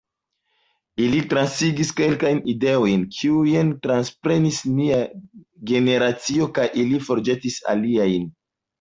Ili transigis kelkajn ideojn, kiujn transprenis nia generacio, kaj ili forĵetis aliajn.